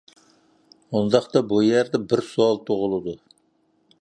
ئۇنداقتا بۇ يەردە بىر سوئال تۇغۇلىدۇ.